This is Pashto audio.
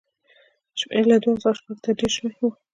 شمېر یې له دوو څخه شپږو ته ډېر شوی و